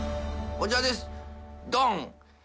こちらですドン！